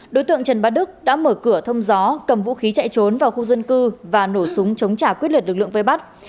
đối tượng trần bá đức đã mở cửa thông gió cầm vũ khí chạy trốn vào khu dân cư và nổ súng chống trả quyết liệt lực lượng vây bắt